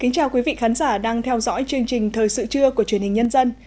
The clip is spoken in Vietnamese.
chào mừng quý vị đến với bộ phim thời sự trưa của truyền hình nhân dân